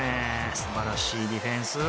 素晴らしいディフェンス。